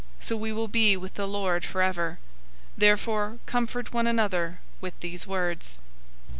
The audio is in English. So we will be with the Lord forever. 004:018 Therefore comfort one another with these words.